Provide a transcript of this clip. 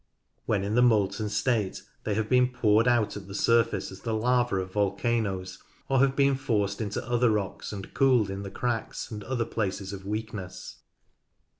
When in the molten state they have been poured out at the surface as the lava of volcanoes, or have been forced into other rocks and cooled in the cracks and other places of weakness.